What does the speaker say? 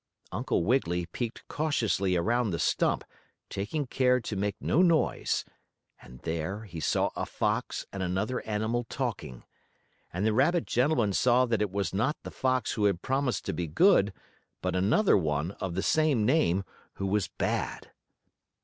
Uncle Wiggily peeked cautiously around the stump, taking care to make no noise, and there he saw a fox and another animal talking. And the rabbit gentleman saw that it was not the fox who had promised to be good, but another one, of the same name, who was bad.